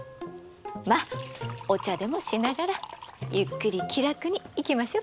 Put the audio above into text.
まあお茶でもしながらゆっくり気楽にいきましょうか。